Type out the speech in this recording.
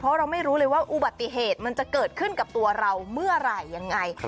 เพราะเราไม่รู้เลยว่าอุบัติเหตุมันจะเกิดขึ้นกับตัวเราเมื่อไหร่ยังไง